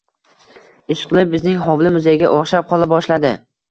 Ishqilib, bizning hovli muzeyga o‘xshab qola boshladi.